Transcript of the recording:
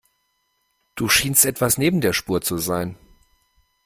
Du schienst etwas neben der Spur zu sein.